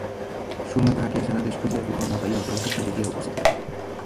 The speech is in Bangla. সুরমা তাহাকে সারা দেশ খুঁজিয়া কোথাও না পাইয়া অবশেষে ছাদে গিয়া উপস্থিত হইল।